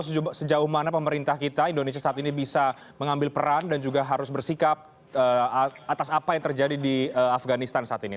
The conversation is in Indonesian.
sejauh mana pemerintah kita indonesia saat ini bisa mengambil peran dan juga harus bersikap atas apa yang terjadi di afganistan saat ini